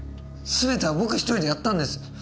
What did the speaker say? すべては僕１人でやったんです。